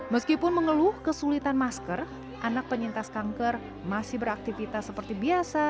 meskipun mengeluh kesulitan masker anak penyintas kanker masih beraktivitas seperti biasa